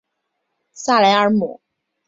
萨莱尔姆。